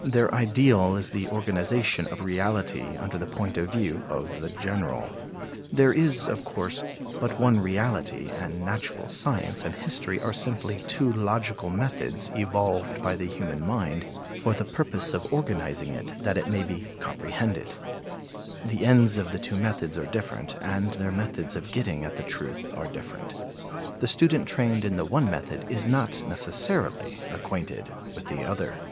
Their ideal is the organization of reality under the point of view of the general. There is, of course, but one reality and natural science and history are simply two logical methods evolved by the human mind for the purpose of organizing it that it may be comprehended. The ends of the two methods are different, and their methods of getting at the truth are different. The student trained in the one method is not necessarily acquainted with the other.